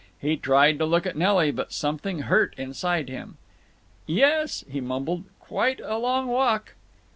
He tried to look at Nelly, but something hurt inside him. "Yes," he mumbled. "Quite a long walk."